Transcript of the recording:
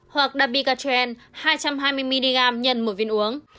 hoặc dabigatren hai trăm hai mươi mg x một viên uống